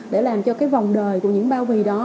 để làm cho cái vòng đời của những bao bì đó